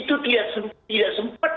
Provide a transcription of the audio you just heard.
itu tidak sempat